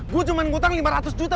gue cuma ngutang lima ratus juta